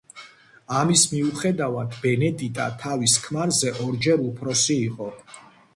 ამის მიუხედავად, ბენედიტა თავის ქმარზე ორჯერ უფროსი იყო.